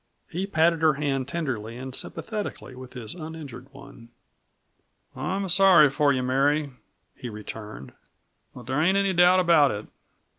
He patted her hand tenderly and sympathetically with his uninjured one. "I'm sorry for you, Mary," he returned, "but there ain't any doubt about it."